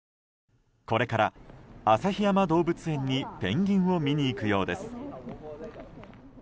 これから旭山動物園にペンギンを見に行くようです。